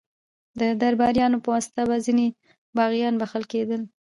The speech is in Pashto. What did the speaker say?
د درباریانو په واسطه به ځینې باغیان بخښل کېدل.